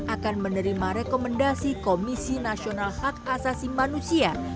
akan menerima rekomendasi komisi nasional hak asasi manusia